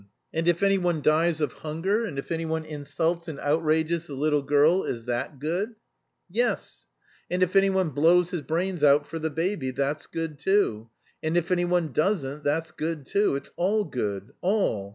"And if anyone dies of hunger, and if anyone insults and outrages the little girl, is that good?" "Yes! And if anyone blows his brains out for the baby, that's good too. And if anyone doesn't, that's good too. It's all good, all.